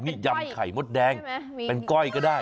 นี่ยำไข่มดแดงเป็นก้อยก็ได้